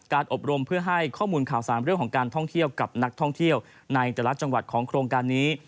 อบรมเพื่อให้ข้อมูลข่าวสารเรื่องของการท่องเที่ยวกับนักท่องเที่ยวในแต่ละจังหวัดของโครงการนี้